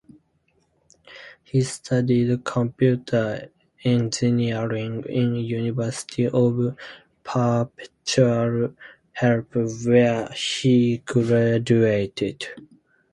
He studied Computer Engineering in University of Perpetual Help where he graduated.